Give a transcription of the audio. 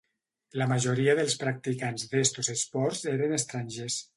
La majoria dels practicants d'estos esports eren estrangers.